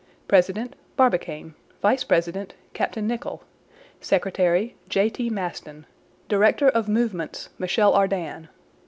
President, Barbicane; vice president, Captain Nicholl; secretary, J. T. Maston; director of movements, Michel Ardan.